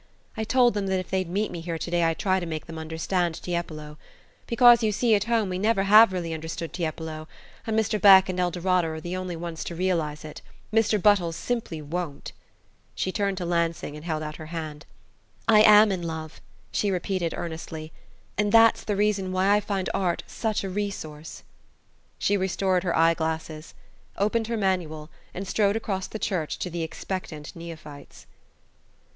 "I told them that if they'd meet me here to day I'd try to make them understand Tiepolo. Because, you see, at home we never really have understood Tiepolo; and Mr. Beck and Eldorada are the only ones to realize it. Mr. Buttles simply won't." She turned to Lansing and held out her hand. "I am in love," she repeated earnestly, "and that's the reason why I find art such a RE source." She restored her eye glasses, opened her manual, and strode across the church to the expectant neophytes.